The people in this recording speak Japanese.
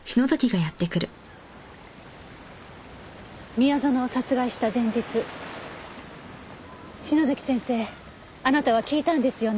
宮園を殺害した前日篠崎先生あなたは聞いたんですよね？